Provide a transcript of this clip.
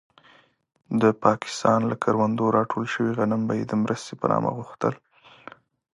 د پاکستان له کروندو راټول شوي غنم به يې د مرستې په نامه غوښتل.